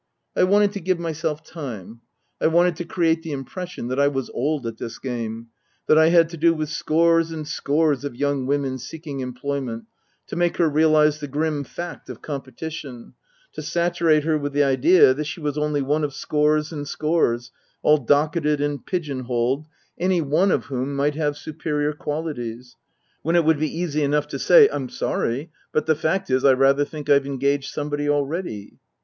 I wanted to give myself time ; I wanted to create the impression that I was old at this game ; that I had to do with scores and scores of young women seeking employment ; to make her realize the grim fact of competition ; to saturate her with the idea that she was only one of scores and scores, all docketed and pigeon holed, any one of whom might have superior qualities ; when it would be easy enough to say, "I'm sorry, but the fact is, I rather think I've engaged somebody already."